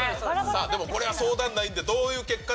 でもこれは相談ないんで、どういう結果で。